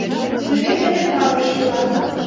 Сӱрет дене калык шӱла.